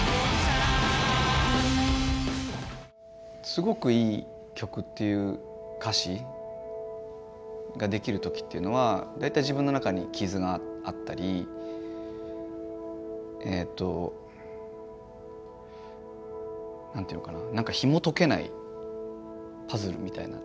すごくいい曲っていう歌詞ができる時っていうのは大体自分の中に傷があったりえと何ていうのかななんかひもとけないパズルみたいな。